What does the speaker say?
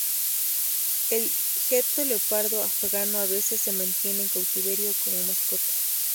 El gecko leopardo afgano a veces se mantiene en cautiverio o como mascota.